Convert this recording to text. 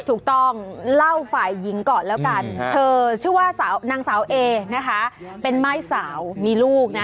ถูกต้องเล่าฝ่ายหญิงก่อนแล้วกันเธอชื่อว่านางสาวเอนะคะเป็นม่ายสาวมีลูกนะ